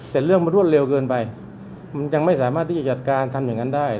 แต่เรื่องมันรวดเร็วเกินไปมันยังไม่สามารถที่จะจัดการทำอย่างนั้นได้